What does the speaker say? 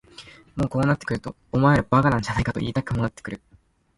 もうこうなってくるとお前ら馬鹿なんじゃないと言いたくもなってくる。